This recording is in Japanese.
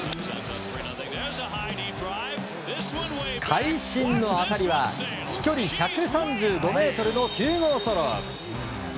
会心の当たりは飛距離１３５ｍの９号ソロ！